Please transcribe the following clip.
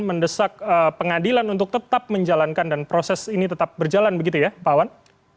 mendesak pengadilan untuk tetap menjalankan dan proses ini tetap berjalan begitu ya pak wan